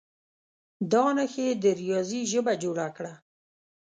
دا نښې د ریاضي ژبه جوړه کړه.